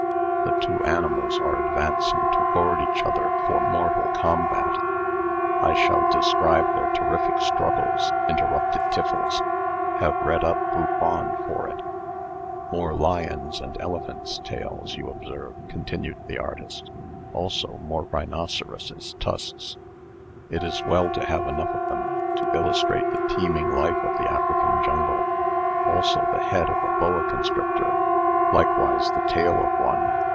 The two animals are advancing toward each other for mortal combat." "I shall describe their terrific struggles," interrupted Tiffles. "Have read up Buffon for it." "More lions' and elephants' tails, you observe," continued the artist; "also more rhinoceroses' tusks. It is well to have enough of them, to illustrate the teeming life of the African jungle. Also the head of a boa constrictor. Likewise the tail of one.